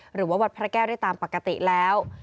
หรือว่าวัดพระแก้วได้ตามปกติแล้ว